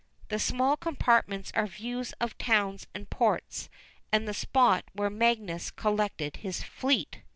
The small compartments are views of towns and ports, and the spot where Magius collected his fleet.